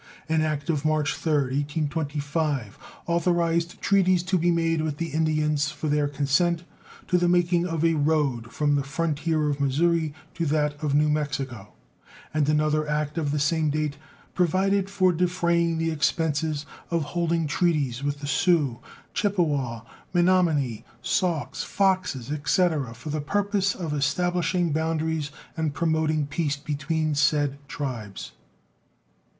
An act of March 3d, 1825, authorized treaties to be made with the Indians for their consent to the making of a road from the frontier of Missouri to that of New Mexico, and another act of the same date provided for defraying the expenses of holding treaties with the Sioux, Chippeways, Menomenees, Sauks, Foxes, etc., for the purpose of establishing boundaries and promoting peace between said tribes.